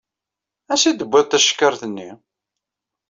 Ansa i d-tewwiḍ acekkar-nni?